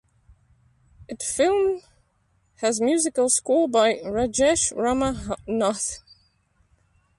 It film has musical score by Rajesh Ramanath.